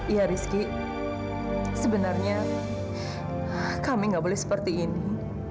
iya rizky sebenarnya kami gak boleh seperti ini